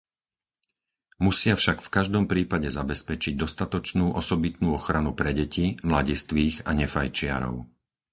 Musia však v každom prípade zabezpečiť dostatočnú osobitnú ochranu pre deti, mladistvých a nefajčiarov.